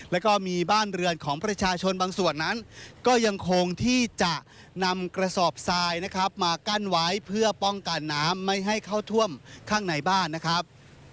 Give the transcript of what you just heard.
แล้วก็มีบ้านเรือนของประชาชนบางส่วนนั้นก็ยังคงที่จะนำกระสอบทรายนะครับมากั้นไว้เพื่อป้องกันน้ำไม่ให้เข้าท่วมข้างในบ้านนะครับ